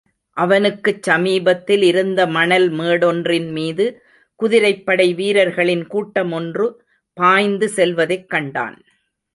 அவனுக்குச் சமீபத்தில் இருந்த மணல் மேடொன்றின் மீது குதிரைப் படைவீரர்களின் கூட்டமொன்று, பாய்ந்து செல்வதைக் கண்டான்.